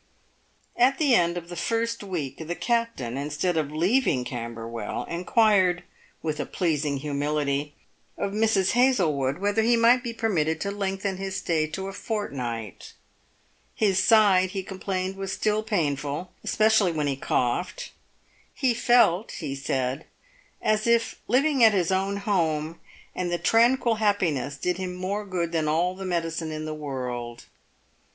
At the end of the first week the captain, instead of leaving Camber well, inquired — with a pleasing humility— of Mrs. Hazlewood whether he might be permitted to lengthen his* stay to a fortnight. His side, he complained, was still painful, especially when he coughed. " He felt," he said, " as if living at his own home, and the tranquil hap piness did him more good than all the medicine in the world."